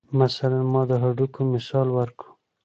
مثلاً ما د هډوکو مثال ورکو.